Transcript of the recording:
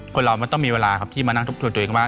คนเรามันต้องมีเวลาครับที่มานั่งทบทวนตัวเองว่า